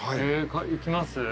いきます？